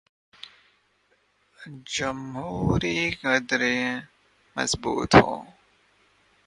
جمہوری قدریں مضبوط ہوں۔